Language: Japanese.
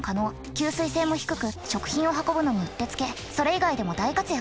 吸水性も低く食品を運ぶのにうってつけそれ以外でも大活躍。